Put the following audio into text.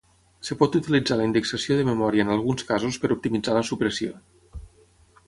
Es pot utilitzar la indexació de memòria en alguns casos per optimitzar la supressió.